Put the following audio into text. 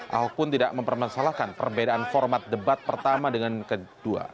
walaupun tidak mempermasalahkan perbedaan format debat pertama dengan kedua